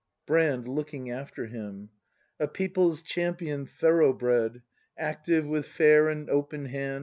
Brand. [Looking after him.] A people's champion thorough bred! Active, with fair and open hand.